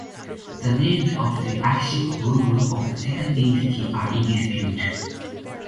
The names of the actual rulers of the Second Dynasty are in dispute.